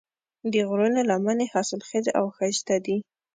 د غرونو لمنې حاصلخیزې او ښایسته دي.